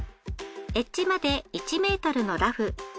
エッジまで１ｍのラフ。